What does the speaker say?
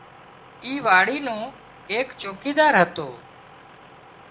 اي واڙي نو ايڪ چوڪيدار هتو